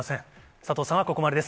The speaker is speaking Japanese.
佐藤さんはここまでです。